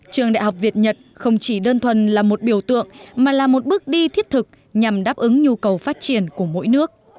trường đại học việt nhật không chỉ đơn thuần là một biểu tượng mà là một bước đi thiết thực nhằm đáp ứng nhu cầu phát triển của mỗi nước